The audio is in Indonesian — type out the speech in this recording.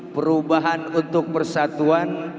perubahan untuk persatuan